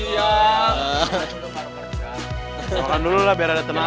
makan dulu lah biar ada tenaga